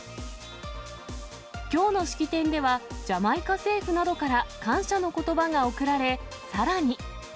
きょうの式典では、ジャマイカ政府などから感謝のことばが贈られ、さらに。